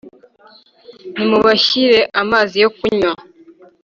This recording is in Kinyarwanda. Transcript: nimubashyire amazi yo kunywa.